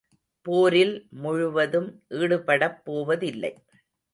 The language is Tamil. போரில் முழுவதும் ஈடுபடப் போவதில்லை.